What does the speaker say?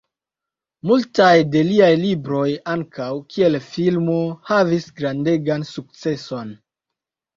Multaj de liaj libroj ankaŭ kiel filmo havis grandegan sukceson.